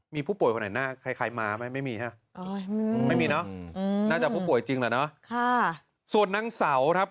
มีผู้ป่วยของไหนน่าใครมาไหมไม่มีฮะ